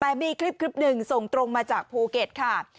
แปบมีคลิป๑ส่งตรงมาจากภูเกตค่ะ